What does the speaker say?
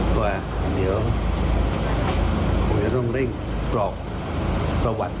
เพราะว่าเดี๋ยวมักจะต้องเร่งปรอกประวัติ